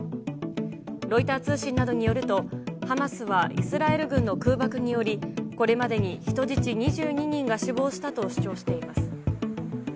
ロイター通信などによると、ハマスはイスラエル軍の空爆により、これまでに人質２２人が死亡したと主張しています。